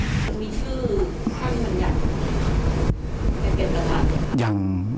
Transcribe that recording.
มีชื่อห้ามสัญญาณหรือเก็บตรฐาน